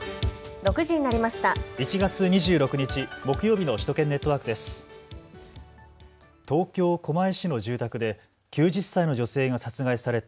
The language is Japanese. ６時になりました。